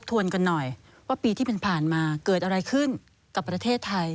วนกันหน่อยว่าปีที่ผ่านมาเกิดอะไรขึ้นกับประเทศไทย